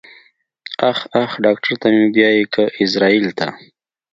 اخ اخ ډاکټر ته مې بيايې که ايزرايل ته.